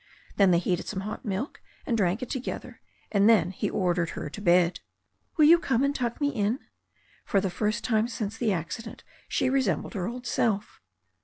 Then they heated some hot milk, and drank it together, and then he ordered her to bed. "Will you come and tuck me in ?" For the first time since the accident she resembled her old self.